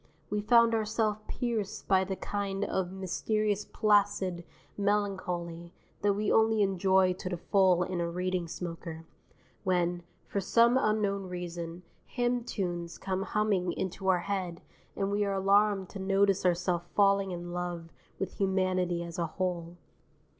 We found ourself pierced by the kind of mysterious placid melancholy that we only enjoy to the full in a Reading smoker, when, for some unknown reason, hymn tunes come humming into our head and we are alarmed to notice ourself falling in love with humanity as a whole.